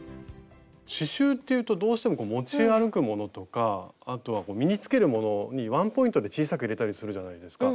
刺しゅうっていうとどうしても持ち歩くものとかあとは身につけるものにワンポイントで小さく入れたりするじゃないですか。